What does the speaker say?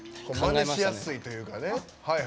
マネしやすいというかね。